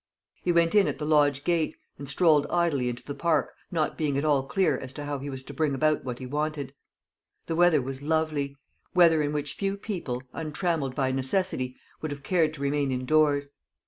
He went in at the lodge gate, and strolled idly into the park, not being at all clear as to how he was to bring about what he wanted. The weather was lovely weather in which few people, untrammelled by necessity, would have cared to remain indoors.